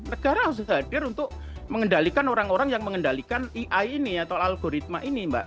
negara harus hadir untuk mengendalikan orang orang yang mengendalikan ai ini atau algoritma ini mbak